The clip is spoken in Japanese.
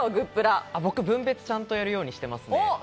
僕、分別ちゃんとやるようにしてますね。